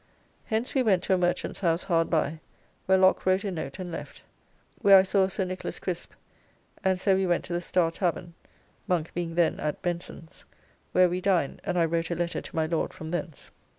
Hence we went to a merchant's house hard by, where Lock wrote a note and left, where I saw Sir Nich. Crisp, and so we went to the Star Tavern (Monk being then at Benson's), where we dined and I wrote a letter to my Lord from thence.